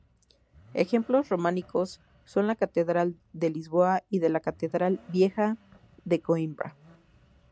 Ejemplos románicos son la Catedral de Lisboa y de la Catedral Vieja de Coimbra.